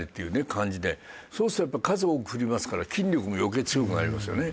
そうするとやっぱ数多く振りますから筋力も余計強くなりますよね。